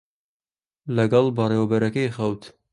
لەگەڵ بەڕێوەبەرەکەی خەوت.